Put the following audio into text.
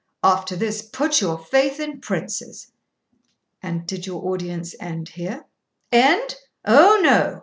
After this, put your faith in princes!' 'And did your audience end here?' 'End? O no!